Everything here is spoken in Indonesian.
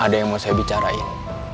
ada yang mau saya bicarain